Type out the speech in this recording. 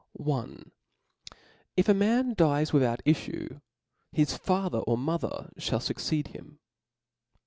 ^^ If a man ilies without iflTue, his father or " mother fhall fuccecd him.